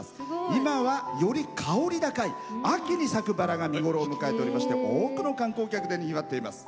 今はより香り高い秋に咲くバラが見頃を迎えておりまして多くの観光客でにぎわっています。